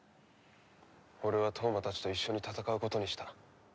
俺は飛羽真たちと一緒に戦うことにした。